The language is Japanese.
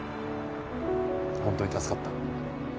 本当に助かった。